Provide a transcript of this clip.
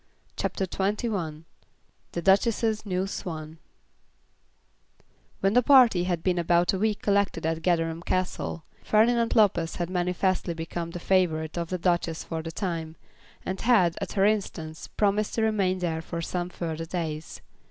CHAPTER XXI The Duchess's New Swan When the party had been about a week collected at Gatherum Castle, Ferdinand Lopez had manifestly become the favourite of the Duchess for the time, and had, at her instance, promised to remain there for some further days.